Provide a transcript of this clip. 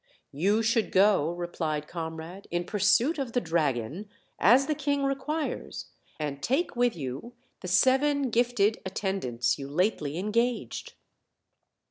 'You should go," replied Comrade, "in pursuit of the dragon, as the king requires, and take with you the seven gifted attend ants you lately engaged."